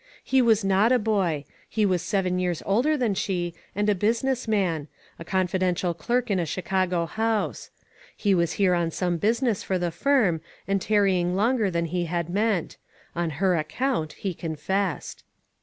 He was not a boy. He was seven years older than she, and a business man — a confidential clerk in a Chicago house. He wsis here on some busi ness for the firm, and tarrying longer than he had meant; on her account, he confessed.